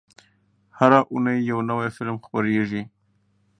هره اونۍ یو نوی فلم خپرېږي.